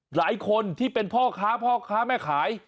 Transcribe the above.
หลายคนที่เป็นพ่อค้าพ่อค้าแม่ขาย